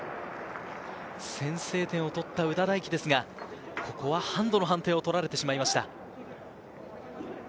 先制点を取った夘田大揮ですが、ここはハンドの判定を取られてしまいました。